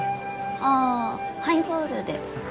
ああハイボールで。